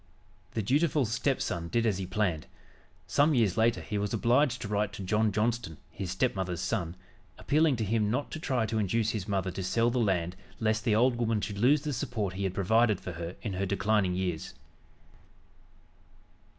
The dutiful stepson did as he planned. Some years later he was obliged to write to John Johnston, his stepmother's son, appealing to him not to try to induce his mother to sell the land lest the old woman should lose the support he had provided for her in her declining years.